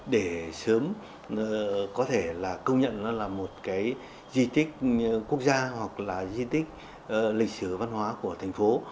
để sớm có thể là công nhận nó là một cái di tích quốc gia hoặc là di tích lịch sử văn hóa của thành phố